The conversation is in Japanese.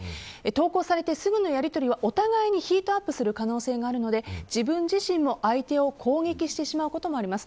投稿されてすぐのやり取りはお互いにヒートアップする可能性があるので自分自身も相手を攻撃してしまうこともあります。